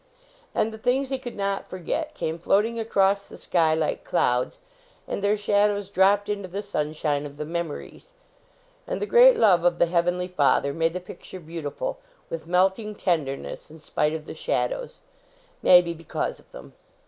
And the things he could not forget came floating across the sky like clouds, and their shadows dropped into the sunshine of the memories. And the great love of the Heavenly Father made the picture beautiful with melting ten derness in spite of the shadows ; maybe be cause of them.